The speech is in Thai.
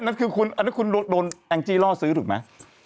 นั่นคือคุณโดนแองจีล่อซื้อถูกไหม